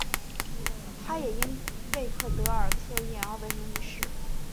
她也因贝克德尔测验而闻名于世。